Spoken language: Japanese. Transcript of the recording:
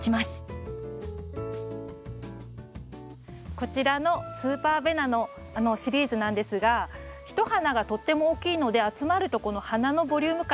こちらのスーパーベナのシリーズなんですがひと花がとっても大きいので集まるとこの花のボリューム感